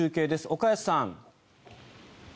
岡安さん。